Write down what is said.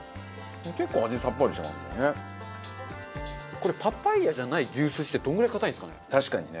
これパパイヤじゃない牛すじってどんぐらい硬いんですかね？